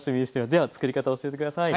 では作り方を教えて下さい。